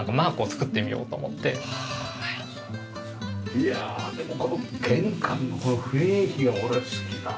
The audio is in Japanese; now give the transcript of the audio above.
いやでもこの玄関のこの雰囲気が俺好きだなあ。